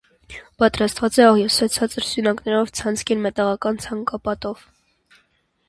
Պարսպապատված է աղյուսե ցածր սյունակներով ցանցկեն մետաղական ցանկապատով։